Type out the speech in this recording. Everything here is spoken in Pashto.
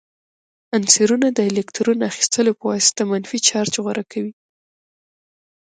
عنصرونه د الکترون اخیستلو په واسطه منفي چارج غوره کوي.